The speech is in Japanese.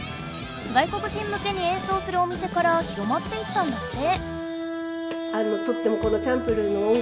外国人むけにえんそうするお店から広まっていったんだって。